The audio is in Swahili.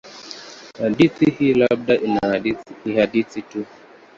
Hadithi hii labda ni hadithi tu.